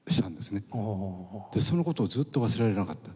でその事をずっと忘れられなかった。